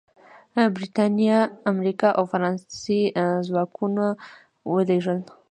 برېټانیا، امریکا او فرانسې ځواکونه ولېږل.